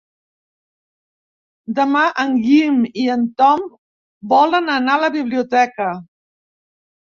Demà en Guim i en Tom volen anar a la biblioteca.